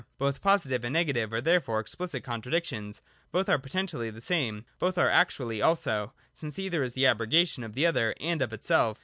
Both Positive and Negative are therefore explicit contradiction ; both are potentially the same. Both are so actually also ; since either is the abrogation of the other and of itself.